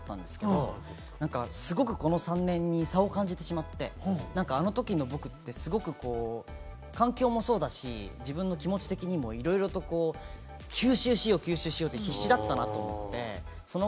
高校が３年間留学してて、今、その留学が終わってから３年が経ったんですけれども、すごくこの３年に差を感じてしまって、あのときの僕ってすごく環境もそうだし、自分の気持ち的にもいろいろと吸収しよう、吸収しようと必死だったなって。